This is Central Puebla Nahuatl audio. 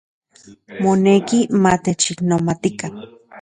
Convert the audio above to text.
Moneki matechiknomatikan.